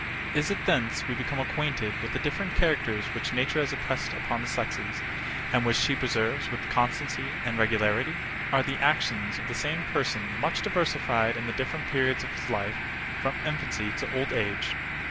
Is it thence we become acquainted with the different characters which nature has impressed upon the sexes, and which she preserves with constancy and regularity? Are the actions of the same person much diversified in the different periods of his life, from infancy to old age?